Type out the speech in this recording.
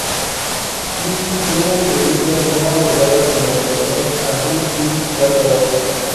Lee tiene películas no agregadas en la Internet Adult Film Database.